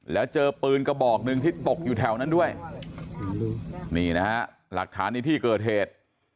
แล้วเจอปืนกระบอกหนึ่งที่ตกอยู่แถวนั้นด้วยนี่นะฮะหลักฐานในที่เกิดเหตุ